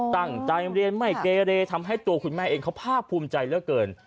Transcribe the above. ตั้งใจเรียนไม่เกเรทำให้ตัวคุณแม่เองเขาภาคภูมิใจเหลือเกิน